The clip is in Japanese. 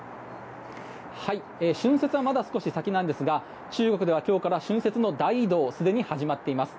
春節はまだ少し先なんですが中国では今日から春節の大移動がすでに始まっています。